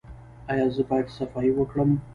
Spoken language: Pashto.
ایا زه باید صفايي وکړم؟